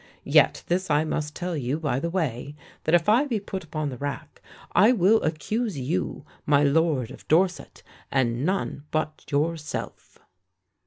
Yet this I must tell you, by the way, that if I be put upon the rack, I will accuse you, my lord of Dorset, and none but yourself."